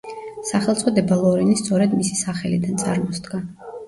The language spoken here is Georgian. სახელწოდება ლორენი სწორედ მისი სახელიდან წარმოსდგა.